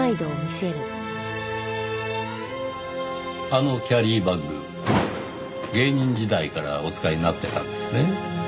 あのキャリーバッグ芸人時代からお使いになってたんですね。